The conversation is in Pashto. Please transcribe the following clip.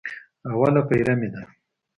اوله پېره مې ده.